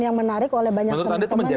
yang menarik oleh banyak teman teman